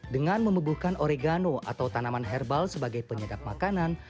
dengan membubuhkan oregano atau tanaman herbal sebagai penyedap makanan